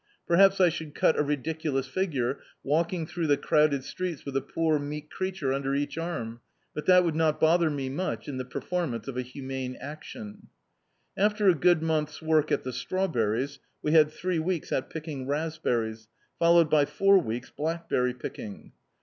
Perhaps I should cut a ridiculous figure, walking throu^ the crowded streets with a poor meek creature under each arm, but that would not bother me much in the performance of a humane actioiL After a good month's work at the strawberries, wc had three weeks at picking raspberries, followed by four weeks blackberry picking.